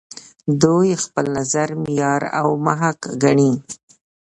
دوی خپل نظر معیار او محک ګڼي.